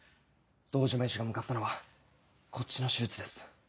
堂島医師が向かったのはこっちの手術です。